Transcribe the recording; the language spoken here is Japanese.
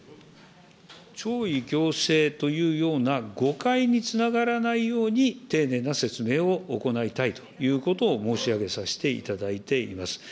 弔意強制というような誤解につながらないように、丁寧な説明を行いたいということを申し上げさせていただいております。